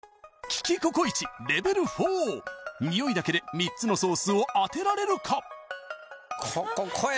利きココイチレベル４匂いだけで３つのソースを当てられるか？